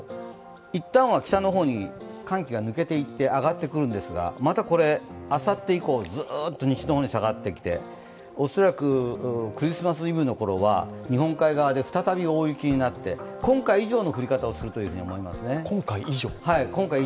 いったんは北の方に寒気が抜けていって上がってくるんですがまたこれ、あさって以降、ずっと西の方に下がってきて恐らくクリスマスイブのころは日本海側で再び大雪になって、今回以上の降り方をすると思いますね。